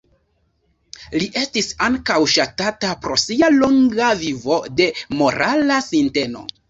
Li estis ankaŭ ŝatata pro sia longa vivo de morala sinteno.